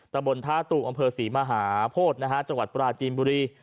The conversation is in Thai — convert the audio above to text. ตะบนท่าตูอำเภอศรีมหาโพธินะฮะจังหวัดปราจีนบุรี